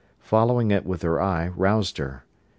Following it with her eye roused her.